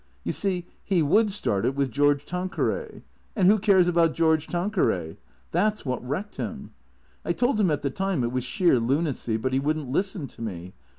You see he would start it with George Tanqueray. And who cares about George Tanqueray ? That 's what wrecked him. I told him at the time it was sheer lunacy, but he would n't listen to me.